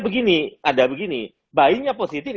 begini ada begini bayinya positif